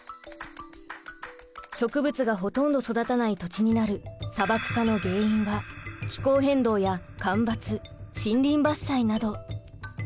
植物がほとんど育たない土地になる砂漠化の原因は気候変動や干ばつ森林伐採など。